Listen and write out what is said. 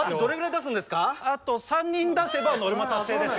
あと３人出せばノルマ達成です。